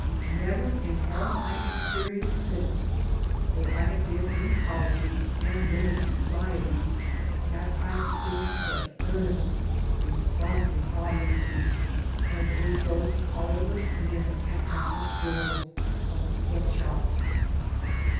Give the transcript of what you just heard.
Never in all my experience since, though I have been in colleges and learned societies, have I seen such earnest, responsive audiences as were those coUarless men and hatless girls of the sweat shops.